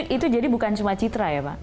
itu jadi bukan cuma citra ya pak